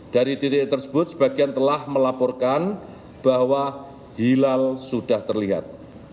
dari titik tersebut sebagian telah melaporkan bahwa hilal sudah terlihat